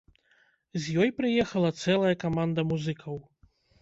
З ёй прыехала цэлая каманда музыкаў.